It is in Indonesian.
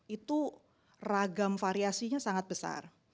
itu ragam variasinya sangat besar